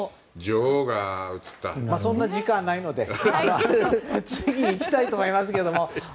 そんな時間ないので次にいきたいと思いますけども。